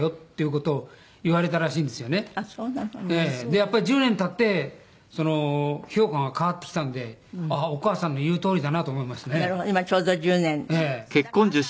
やっぱり１０年経って評価が変わってきたんでお義母さんの言うとおりだなと思いましたね。